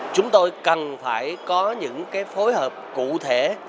chúng tôi cần phải có những phối hợp cụ thể